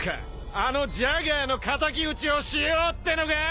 あのジャガーの敵討ちをしようってのかぁ？